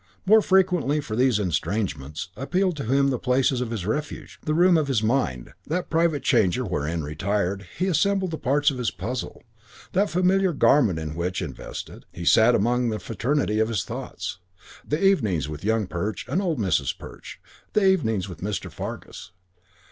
More frequently, for these estrangements, appealed to him the places of his refuge: the room of his mind, that private chamber wherein, retired, he assembled the parts of his puzzles; that familiar garment in which, invested, he sat among the fraternity of his thoughts; the evenings with Young Perch and old Mrs. Perch; the evenings with Mr. Fargus.